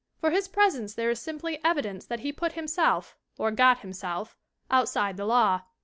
For his pres ence there is simply evidence that he put himself, or got himself, outside the law.